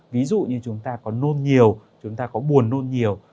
ví dụ như chúng ta có nôn nhiều chúng ta có buồn nôn nhiều